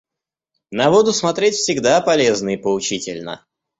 На воду смотреть всегда полезно и поучительно.